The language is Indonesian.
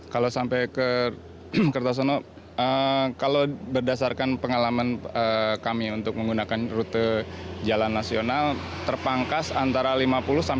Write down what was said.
kalau sampai ke kertosono kalau berdasarkan pengalaman kami untuk menggunakan rute jalan nasional terpangkas antara lima puluh sampai